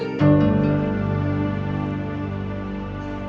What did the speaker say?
itu mau ke mana